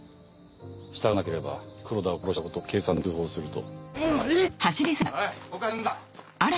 従わなければ黒田を殺したことを警察に通報すると。